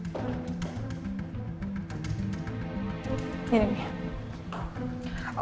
orang yang meskipun ada di dalam penjara